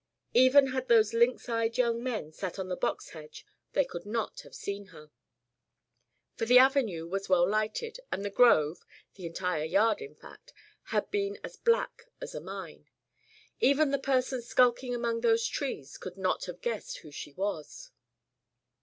Even had those lynx eyed young men sat on the box hedge they could not have seen her, for the avenue was well lighted, and the grove, the entire yard in fact, had been as black as a mine. Even the person skulking among those trees could not have guessed who she was.